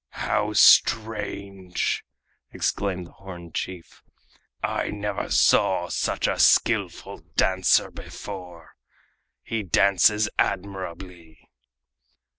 "How strange!" exclaimed the horned chief. "I never saw such a skillful dancer before! He dances admirably!"